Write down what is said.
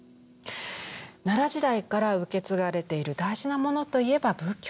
奈良時代から受け継がれている大事なものといえば仏教です。